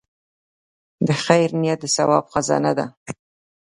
د خیر نیت د ثواب خزانه ده.